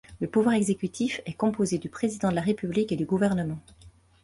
Le pouvoir exécutif est composé du président de la République et du Gouvernement.